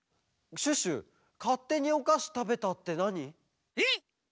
シュッシュかってにおかしたべたってなに？